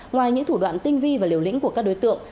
ngoài những thủ đoạn tinh vi và liều lĩnh của các đối tượng